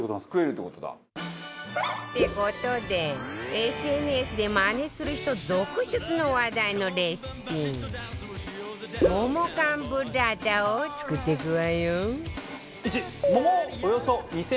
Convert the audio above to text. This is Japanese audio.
って事で ＳＮＳ でマネする人続出の話題のレシピ桃缶ブッラータを作っていくわよ